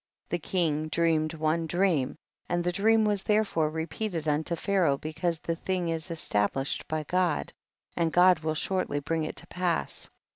56. The king dreamed one dream, and the dream was therefore repeated unto Pharaoh because the thing is established by God, and God will shortly bring it to pass.